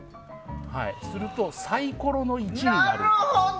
すると、サイコロの１になる。